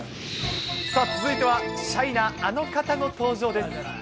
続いては、シャイなあの方の登場です。